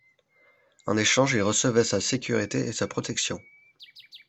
En échange, ils recevaient sa sécurité et sa protection.